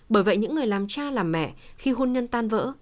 bởi vậy những người làm cha làm mẹ khi hôn nhân tan vỡ